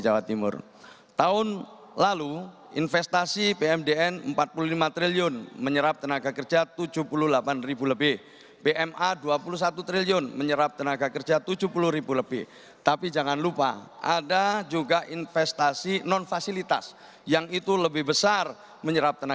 waktu anda satu menit